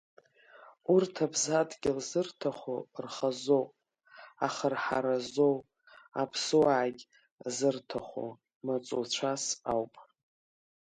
Урҭ аԥсадгьыл зырҭаху рхазоуп, ахырҳаразоу, аԥсуаагь зырҭаху маҵуцәас ауп.